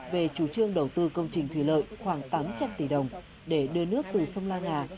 về chủ trương đầu tư công trình thủy lợi khoảng tám trăm linh tỷ đồng để đưa nước từ sông la nga